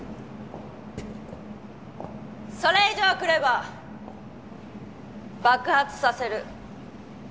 それ以上来れば爆発させる。